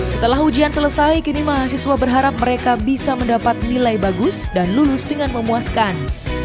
setelah ujian selesai kini mahasiswa berharap mereka bisa mendapat nilai bagus dan lulus dengan memuaskan